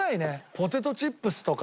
ポテトチップスとか。